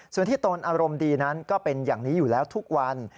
ส่วนที่ตนอารมณ์ดีนั้นก็เป็นอย่างนี้อยู่แล้วทุกวัน